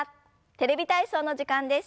「テレビ体操」の時間です。